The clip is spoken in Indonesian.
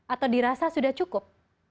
atau dirasa sudah cukup